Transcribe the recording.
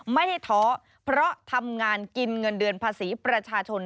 ไม่ได้ท้อเพราะทำงานกินเงินเดือนภาษีประชาชน